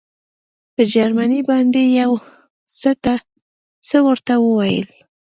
په جرمني باندې یې یو څه ورته وویل.